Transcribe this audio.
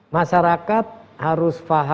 mejor masih dua